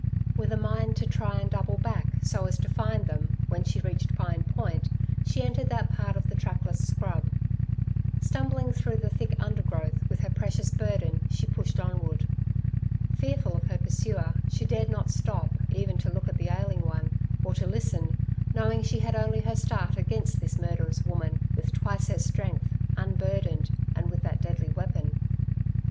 With a mind to try and double back so as to find them, when she reached Pine Point, she entered that part of the trackless scrub. Stumbling through the thick undergrowth with her precious burden, she pushed onward. Fearful of her pursuer, she dared not stop even to look at the ailing one, or to listen, knowing she had only her start against this murderous woman, with twice her strength, unburdened, and with that deadly weapon.